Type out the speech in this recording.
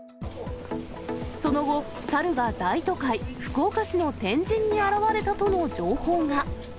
その後、猿が大都会、福岡市の天神に現れたとの情報が。